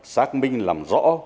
xác minh làm rõ